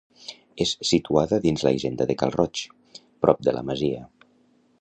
És situada dins la hisenda de Cal Roig, prop de la masia.